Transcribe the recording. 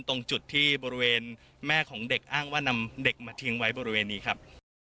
ตรงจุดที่บริเวณแม่ของเด็กอ้างว่านำเด็กมาทิ้งไว้บริเวณนี้ครับ